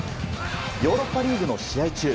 ヨーロッパリーグの試合中